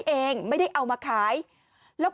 กินให้ดูเลยค่ะว่ามันปลอดภัย